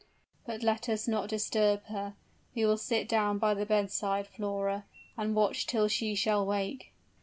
"But let us not disturb her. We will sit down by the bedside, Flora, and watch till she shall awake."